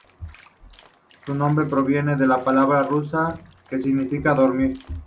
Su nombre proviene de la palabra rusa "баюкать", que significa dormir.